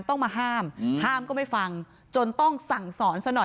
ต้องมาห้ามห้ามก็ไม่ฟังจนต้องสั่งสอนซะหน่อย